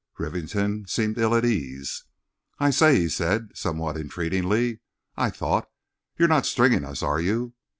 Rivington seemed ill at ease. "I say," he said—somewhat entreatingly, "I thought—you're not stringing us, are you?